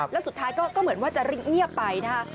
แล้วสุดท้ายก็เหมือนว่าจะเงียบไปนะคะ